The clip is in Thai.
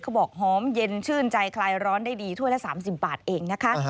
หอมเย็นชื่นใจคลายร้อนได้ดีถ้วยละ๓๐บาทเองนะคะ